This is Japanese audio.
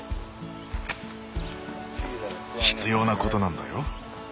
必要なことなんだよ。